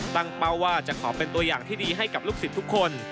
เป้าว่าจะขอเป็นตัวอย่างที่ดีให้กับลูกศิษย์ทุกคน